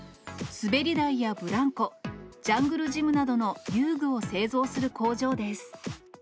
滑り台やブランコ、ジャングルジムなどの遊具を製造する工場です。